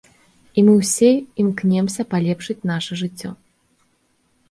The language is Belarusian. І мы ўсе імкнёмся палепшыць наша жыццё!